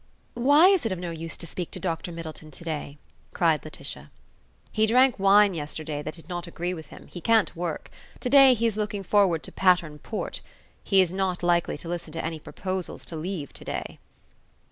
"Why is it of no use to speak to Dr. Middleton today?" cried Laetitia. "He drank wine yesterday that did not agree with him; he can't work. To day he is looking forward to Patterne Port. He is not likely to listen to any proposals to leave to day."